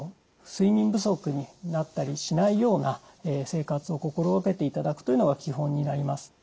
睡眠不足になったりしないような生活を心掛けていただくというのが基本になります。